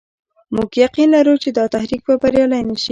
موږ يقين لرو چې دا تحریک به بریالی نه شي.